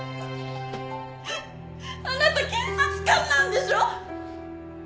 あなた警察官なんでしょ？